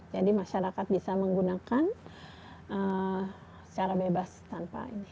jadi masyarakat bisa menggunakan secara bebas tanpa ini